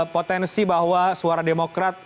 potensi bahwa suara demokrat